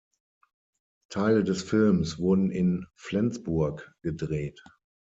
Teile des Films wurden in Flensburg gedreht.